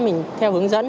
mình theo hướng dẫn